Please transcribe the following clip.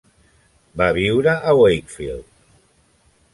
Va viure a Wakefield.